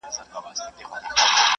هيڅ مسلمان بايد خپله ميرمن ونه وهي.